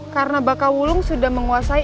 karena baka wulung sudah menguasai